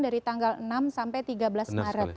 dari tanggal enam sampai tiga belas maret